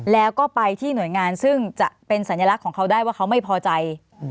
แล้วก็ไปที่หน่วยงานซึ่งจะเป็นสัญลักษณ์ของเขาได้ว่าเขาไม่พอใจ